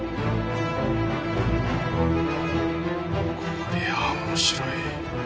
こりゃあ面白い。